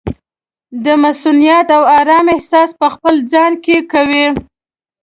د مصؤنیت او ارام احساس پخپل ځان کې کوي.